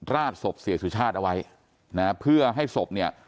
ราดศพเสียสุชาติเอาไว้นะเพื่อให้ศพเนี่ย